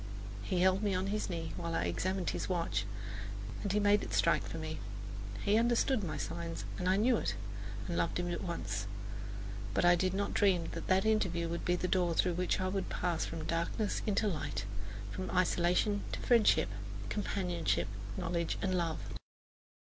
He held me on his knee while I examined his watch, and he made it strike for me. He understood my signs, and I knew it and loved him at once. But I did not dream that that interview would be the door through which I should pass from darkness into light, from isolation to friendship, companionship, knowledge, love.